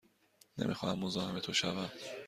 نمی خواهم مزاحم تو شوم.